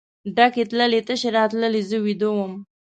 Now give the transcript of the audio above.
ډکې تللې تشې راتللې زه ویده وم.